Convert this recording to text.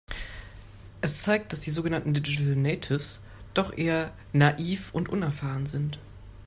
Es zeigt, dass die sogenannten Digital Natives doch eher naiv und unerfahren sind.